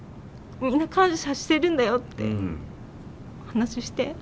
「みんな感謝してるんだよ」って話して。